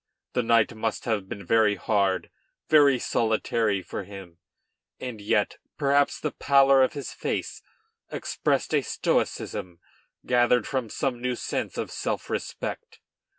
The night must have been very hard, very solitary for him; and yet, perhaps, the pallor of his face expressed a stoicism gathered from some new sense of self respect.